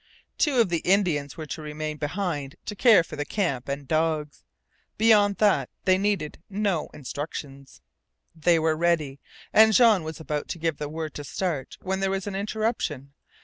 Two of the Indians were to remain behind to care for the camp and dogs. Beyond that they needed no instructions. They were ready, and Jean was about to give the word to start when there was an interruption.